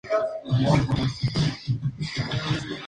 Si no existe tal complicación, no hay trama.